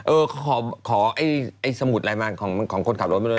เออขอไอ้สมุดอะไรมาของคนขับรถไปเลย